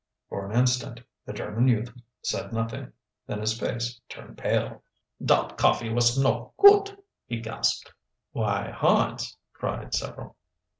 For an instant the German youth said nothing. Then his face turned pale. "Dat coffee was no goot!" he gasped. "Why, Hans," cried several.